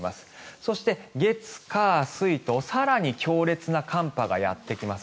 そして、月火水と更に強烈な寒波がやってきます。